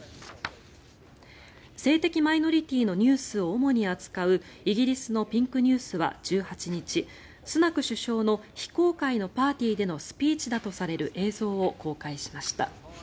性的マイノリティーのニュースを主に扱うイギリスのピンクニュースは１８日スナク首相の非公開のパーティーでのスピーチだとされる映像を公開しました。